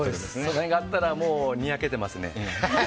それがあったらもう、にやけてますね。